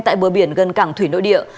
tại bờ biển gần cảng thủy nội địa